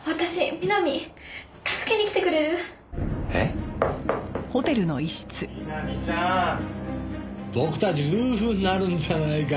美波ちゃん僕たち夫婦になるんじゃないか。